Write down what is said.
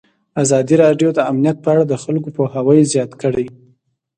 ازادي راډیو د امنیت په اړه د خلکو پوهاوی زیات کړی.